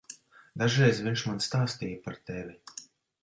Dažreiz viņš man stāstīja par tevi.